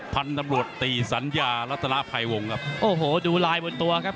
พันธุ์ตำรวจตีสัญญารัฐนาภัยวงครับโอ้โหดูลายบนตัวครับ